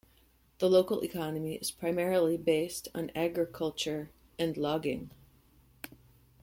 The local economy is primarily based on agriculture and logging.